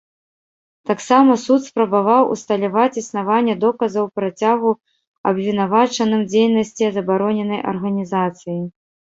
Таксама суд спрабаваў усталяваць існаванне доказаў працягу абвінавачаным дзейнасці забароненай арганізацыі.